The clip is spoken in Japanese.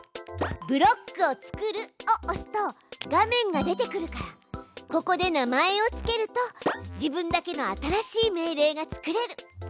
「ブロックを作る」を押すと画面が出てくるからここで名前を付けると自分だけの新しい命令が作れる。